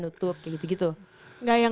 nutup kayak gitu gitu nggak yang